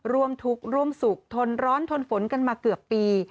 ร่วมทุกข์ร่วมสุขทนร้อนทนฝนกันมาเกือบปี